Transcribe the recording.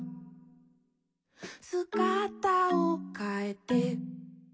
「すがたをかえて」